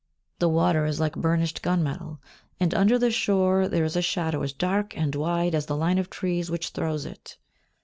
The water is like burnished gun metal, and, under the shore, there is a shadow as dark and wide as the line of trees which throws it.